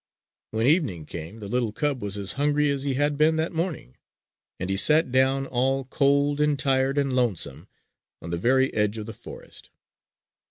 When evening came the little cub was as hungry as he had been that morning; and he sat down, all cold and tired and lonesome, on the very edge of the forest.